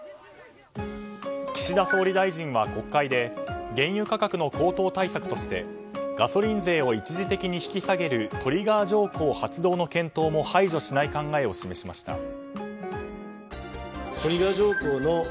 岸田総理大臣は国会で原油価格の高騰対策としてガソリン税を一時的に引き下げるトリガー条項を発動の検討も排除しない考えを示しました。